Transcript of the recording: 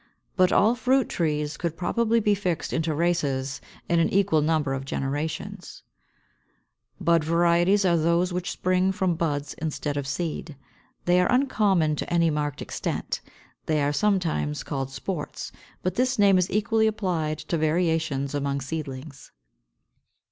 But all fruit trees could probably be fixed into races in an equal number of generations. BUD VARIETIES are those which spring from buds instead of seed. They are uncommon to any marked extent. They are sometimes called Sports, but this name is equally applied to variations among seedlings.